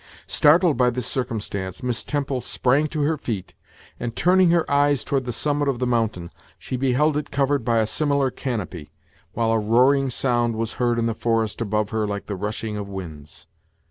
Startled by this circumstance, Miss Temple sprang to her feet, and, turning her eyes toward the summit of the mountain, she beheld It covered by a similar canopy, while a roaring sound was heard in the forest above her like the rushing of winds.